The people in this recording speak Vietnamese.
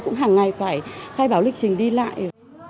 cũng hàng ngày phải khai báo lịch trình đi lại